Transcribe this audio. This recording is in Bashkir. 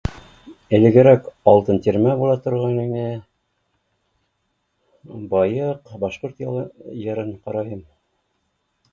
Элегерәк алтын тирмә була торған ине, байыҡ, башҡорт йырын ҡарайым